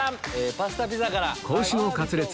仔牛のカツレツ